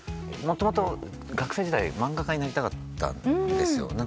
もともと学生時代漫画家になりたかったんですよ。